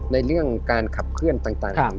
ในเรื่องการขับเคลื่อนต่าง